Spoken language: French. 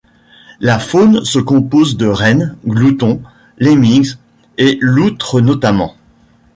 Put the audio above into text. La faune se compose de rennes, gloutons, lemmings et loutres notamment.